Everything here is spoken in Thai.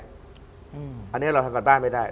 อันนี้เราทำการบ้านไม่ได้